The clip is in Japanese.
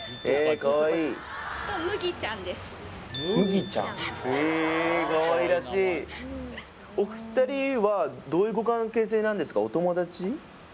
かわいらしいお二人はどういうご関係性なんですか？